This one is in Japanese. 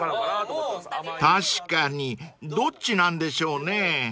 ［確かにどっちなんでしょうね］